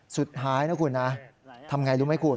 สุดท้ายนะคุณนะทำไงรู้ไหมคุณ